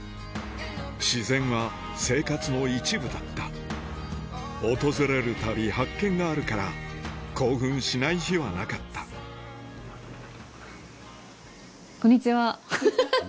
自然は生活の一部だった訪れるたび発見があるから興奮しない日はなかったこんにちはハハハハ。